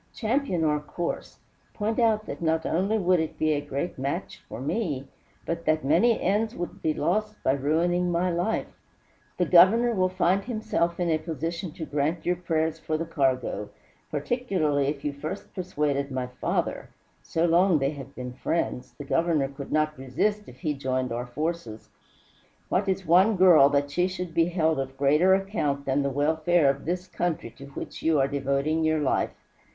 Champion our course, point out that not only would it be a great match for me, but that many ends would be lost by ruining my life. The Governor will find himself in a position to grant your prayers for the cargo, particularly if you first persuaded my father so long they have been friends, the Governor could not resist if he joined our forces. What is one girl that she should be held of greater account than the welfare of this country to which you are devoting your life?